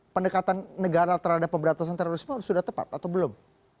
pendekatan negara terhadap pemberantasan terorisme sudah tepat atau belum